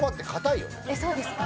そうですか？